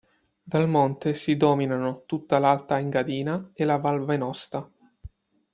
Dal monte si dominano tutta l'alta Engadina e la Val Venosta.